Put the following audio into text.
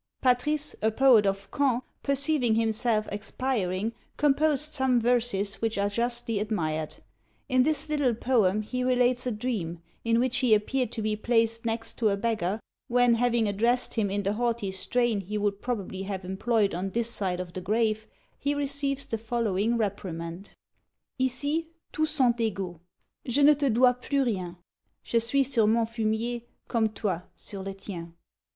Patris, a poet of Caen, perceiving himself expiring, composed some verses which are justly admired. In this little poem he relates a dream, in which he appeared to be placed next to a beggar, when, having addressed him in the haughty strain he would probably have employed on this side of the grave, he receives the following reprimand: Ici tous sont égaux; je ne te dois plus rien; Je suis sur mon fumier comme toi sur le tien.